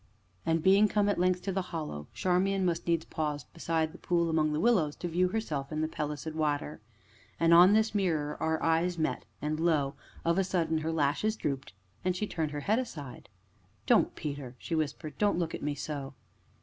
And being come, at length, to the Hollow, Charmian must needs pause beside the pool among the willows, to view herself in the pellucid water. And in this mirror our eyes met, and lo! of a sudden, her lashes drooped, and she turned her head aside. "Don't, Peter!" she whispered; "don't look at me so."